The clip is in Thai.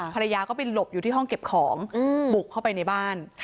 ภรรยาก็ไปหลบอยู่ที่ห้องเก็บของบุกเข้าไปในบ้าน